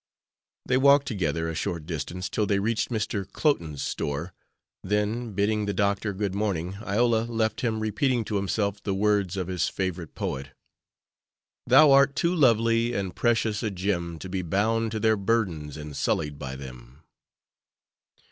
They walked together a short distance till they reached Mr. Cloten's store; then, bidding the doctor good morning, Iola left him repeating to himself the words of his favorite poet: "Thou art too lovely and precious a gem To be bound to their burdens and sullied by them."